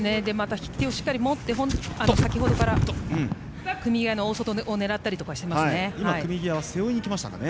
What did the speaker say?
引き手をしっかり持って先ほどから、組み際の大外を狙ったりしていますね。